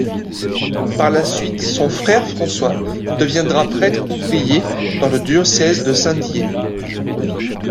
Par la suite son frère François deviendra prêtre ouvrier dans le diocèse de Saint-Dié.